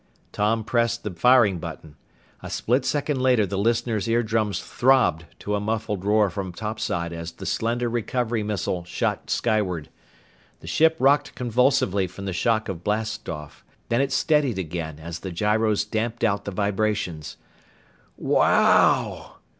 Tom pressed the firing button. A split second later the listeners' eardrums throbbed to a muffled roar from topside as the slender recovery missile shot skyward. The ship rocked convulsively from the shock of blast off. Then it steadied again as the gyros damped out the vibrations. "Wow!"